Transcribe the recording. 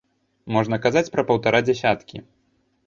Можна казаць пра паўтара дзясяткі.